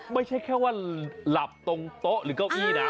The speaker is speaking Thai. ไม่ใช่แค่ว่าหลับตรงโต๊ะหรือเก้าอี้นะ